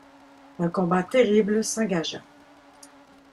Un combat terrible s’engagea.